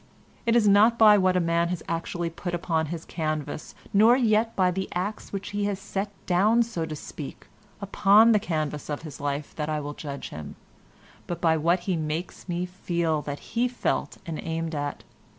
It is not by what a man has actually put upon his canvas, nor yet by the acts which he has set down, so to speak, upon the canvas of his life that I will judge him, but by what he makes me feel that he felt and aimed at.